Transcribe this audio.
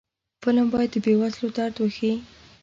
فلم باید د بې وزلو درد وښيي